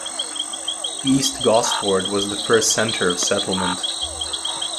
East Gosford was the first centre of settlement.